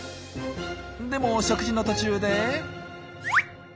でも食事の途中で。